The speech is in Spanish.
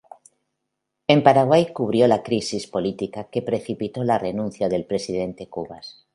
En Paraguay, cubrió la crisis política que precipitó la renuncia del presidente Raúl Cubas.